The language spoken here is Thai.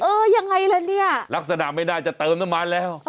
เออยังไงล่ะเนี่ยลักษณะไม่น่าจะเติมน้ำมันแล้ว